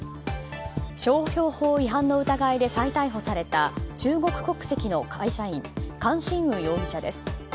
商標法違反の疑いで再逮捕された中国国籍の会社員カン・シンウ容疑者です。